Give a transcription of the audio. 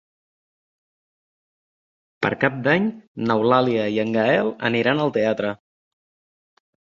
Per Cap d'Any n'Eulàlia i en Gaël aniran al teatre.